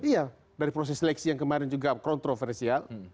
iya dari proses seleksi yang kemarin juga kontroversial